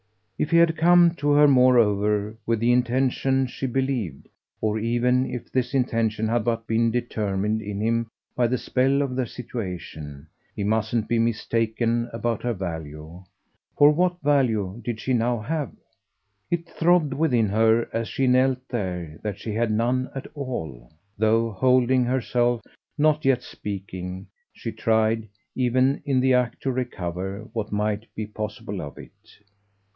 If he had come to her moreover with the intention she believed, or even if this intention had but been determined in him by the spell of their situation, he mustn't be mistaken about her value for what value did she now have? It throbbed within her as she knelt there that she had none at all; though, holding herself, not yet speaking, she tried, even in the act, to recover what might be possible of it.